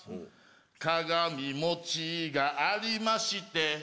鏡餅がありまして